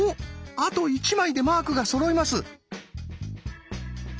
あと１枚でマークがそろいます。